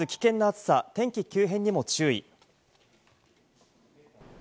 連日危険な暑さ、天気急変にも注意。